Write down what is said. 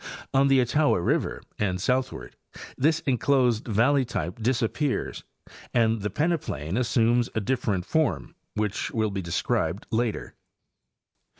On the Etowah river and southward this enclosed valley type disappears and the pene plain assumes a different form, which will be described later.